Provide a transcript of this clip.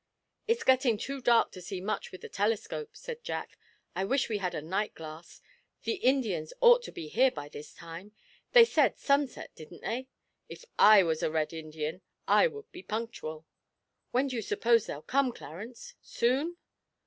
'It's getting too dark to see much with this telescope,' said Jack, 'I wish we had a night glass. The Indians ought to be here by this time they said "sunset," didn't they? If I was a Red Indian I would be punctual! When do you suppose they'll come, Clarence soon?'